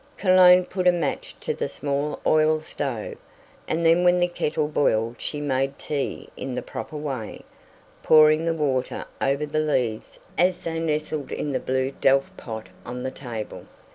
Cologne put a match to the small oil stove, and then when the kettle boiled she made tea in the proper way, pouring the water over the leaves as they nestled in the blue Delft pot on the table.